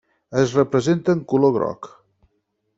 Es representa en color groc.